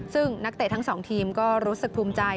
ซึ่งนักเตะทั้งสองทีมก็รู้สึกภูมิใจ